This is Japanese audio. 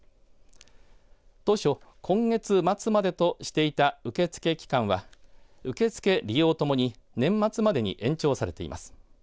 当初、今月末までとしていた受け付け期間は受け付け、利用ともに年末までに延長されています。